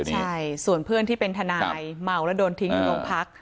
ใช่ส่วนเพื่อนที่เป็นทนายเมาแล้วโดนทิ้งอยู่โรงพัก